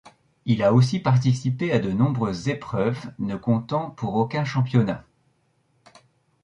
Il a aussi participé à de nombreuses épreuves ne comptant pour aucun championnat.